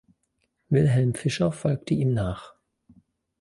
Wilhelm Fischer folgte ihm nach.